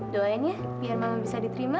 doain ya biar mama bisa diterima